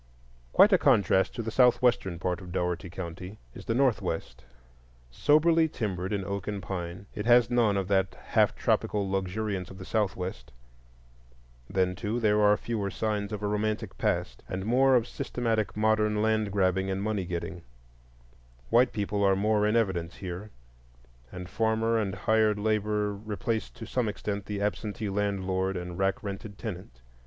Quite a contrast to the southwestern part of Dougherty County is the northwest. Soberly timbered in oak and pine, it has none of that half tropical luxuriance of the southwest. Then, too, there are fewer signs of a romantic past, and more of systematic modern land grabbing and money getting. White people are more in evidence here, and farmer and hired labor replace to some extent the absentee landlord and rack rented tenant.